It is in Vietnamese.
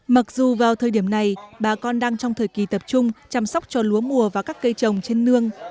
mặc dù vào thời điểm này bà con đang trong thời kỳ tập trung chăm sóc cho lúa mùa và các cây trồng trên nương